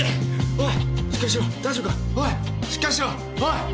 おいしっかりしろおい！